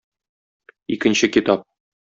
Икенче китап.